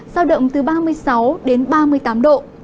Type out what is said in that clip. giao động từ ba mươi sáu đến ba mươi tám độ